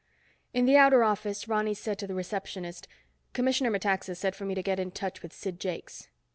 In the outer office, Ronny said to the receptionist, "Commissioner Metaxa said for me to get in touch with Sid Jakes."